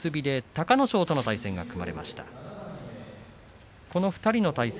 隆の勝との対戦が組まれています。